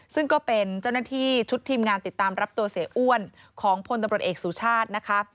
ซึ่งก็เป็นเจ้าหน้าที่ชุดทีมงานติดตามรับตัวเสียอ้วนของพลตำรวจเอกสุชาตินะคะ